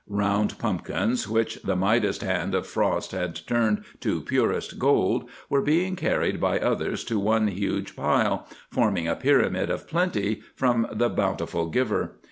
Round pumpkins, which the Midas hand of frost had turned to purest gold, were being carried by others to one huge pile, forming a pyramid of plenty from the bountiful Giver.